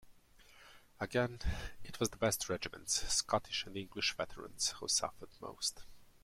Again, it was the best regiments, Scottish and English veterans, who suffered most.